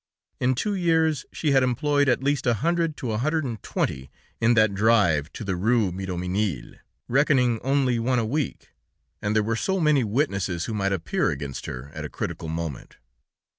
In two years she had employed at least a hundred to a hundred and twenty in that drive to the Rue Miromesnil, reckoning only one a week, and they were so many witnesses, who might appear against her at a critical moment.